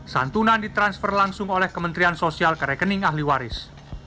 santunan ditransfer langsung oleh kementerian sosial ke rekening ahli waris